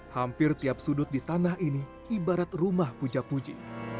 hampir setiap sudut di tanah ini ibarat rumah puja puji